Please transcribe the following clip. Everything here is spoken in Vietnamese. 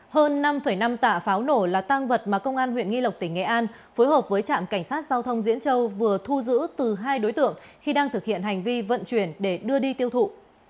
hơn năm năm tạ pháo nổ là tăng vật mà công an huyện nghi lộc tỉnh nghệ an phối hợp với trạm cảnh sát giao thông diễn châu vừa thu giữ từ hai đối tượng khi đang thực hiện hành vi vận chuyển để đưa đi tiêu thụ